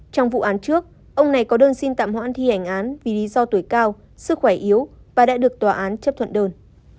trong vụ án trước ông này có đơn xin tạm hoãn thi hành án vì lý do tuổi cao sức khỏe yếu và đã được tòa án chấp thuận đơn